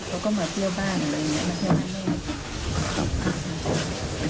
เค้าก็มาเที่ยวบ้านอะไรอย่างเนี่ยมาเที่ยวบ้านเนี่ย